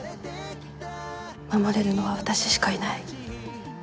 守れるのは私しかいない。